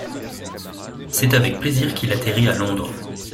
C'est avec plaisir qu'il atterrit à Londres.